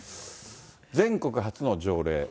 全国初の条例。